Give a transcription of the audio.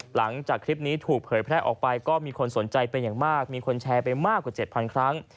หลังจากคลิปนี้ถูกเผยแพร่ออกไปก็มีคนสนใจเป็นอย่างมากมีคนแชร์ไปมากกว่า๗๐๐ครั้ง